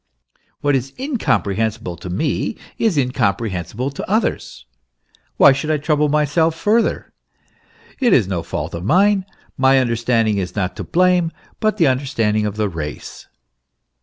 What is incomprehensible to me is incomprehen sible to others ; why should I trouble myself further ? it is no fault of mine ; my understanding is not to blame, but the under standing of the race.